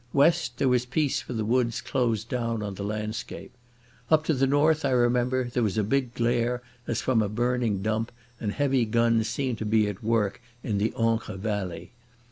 West there was peace for the woods closed down on the landscape. Up to the north, I remember, there was a big glare as from a burning dump, and heavy guns seemed to be at work in the Ancre valley.